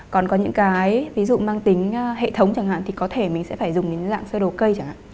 còn có những cái ví dụ mang tính hệ thống chẳng hạn thì có thể mình sẽ phải dùng những dạng sơ đồ cây chẳng hạn